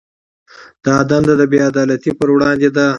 دا دنده د بې عدالتۍ پر وړاندې ده.